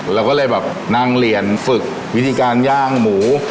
เราก็เลยแบบนั่งเรียนฝึกวิธีการย่างหมู